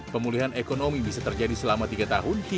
pemulihan ekonomi bisa terjadi selama tiga tahun